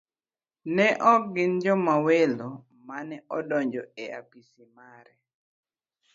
Ne ok gin joma welo mane odonjo e apisi mare.